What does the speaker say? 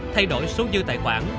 thay đổi số dư tài khoản